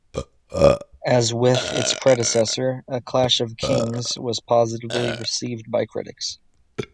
As with its predecessor, "A Clash of Kings" was positively received by critics.